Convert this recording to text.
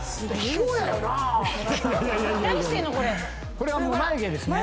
これは眉毛ですね。